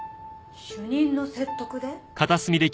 主任の説得で？